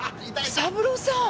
紀三郎さん！